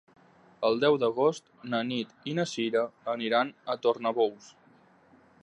El deu d'agost na Nit i na Cira aniran a Tornabous.